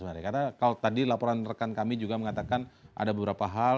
karena kalau tadi laporan rekan kami juga mengatakan ada beberapa hal